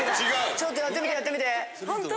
ちょっとやってみてやってみて。